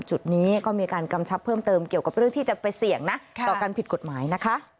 จุดนี้ก็มีการกำชับเพิ่มเติมเกี่ยวกับเรื่องที่จะไปเสี่ยงนะต่อการผิดกฎหมายนะคะ